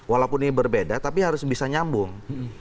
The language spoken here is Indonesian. walaupun ini berbeda tapi harus bisa nyambung